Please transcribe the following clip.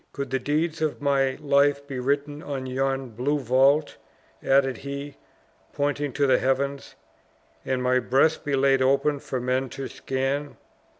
Could the deeds of my life be written on yon blue vault," added he, pointing to the heavens, "and my breast be laid open for men to scan.